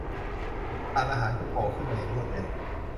ตลาดอาหารก็โผล่ขึ้นมาอย่างรวดเร็ว